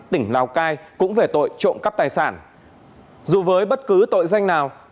tỉnh lào cai cũng về tội trộm cắp tài sản